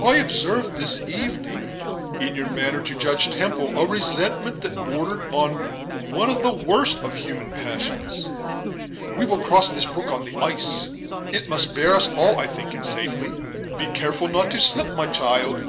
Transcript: I observed this evening, in your manner to Judge Temple, a resentment that bordered on one of the worst of human passions, We will cross this brook on the ice; it must bear us all, I think, in safety. Be careful not to slip, my child."